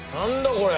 これ。